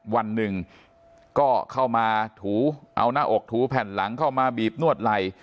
วันหนึ่งก็เข้ามาถูเอาหน้าอกถูแผ่นหลังเข้ามาบีบนวดไหล่